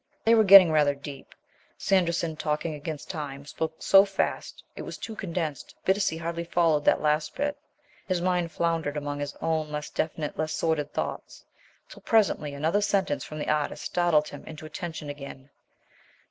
They were getting rather deep. Sanderson, talking against time, spoke so fast. It was too condensed. Bittacy hardly followed that last bit. His mind floundered among his own less definite, less sorted thoughts, till presently another sentence from the artist startled him into attention again.